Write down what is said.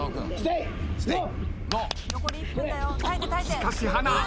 しかし華。